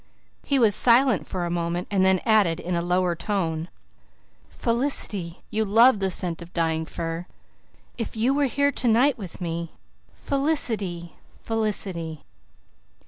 He was silent for a moment, then added in a lower tone, "Felicity, you loved the scent of dying fir. If you were here tonight with me Felicity Felicity!"